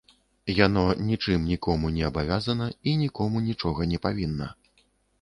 Яно нічым нікому не абавязана і нікому нічога не павінна.